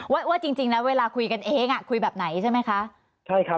ว่าจริงเนี่ยเวลาคุยกันเองคุยแบบไหนใช่ไหมคะ